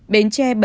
bến tre bảy mươi ba